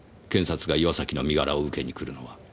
検察が岩崎の身柄を受けに来るのは。